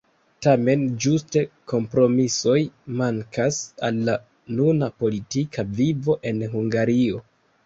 Tamen ĝuste kompromisoj mankas al la nuna politika vivo en Hungario.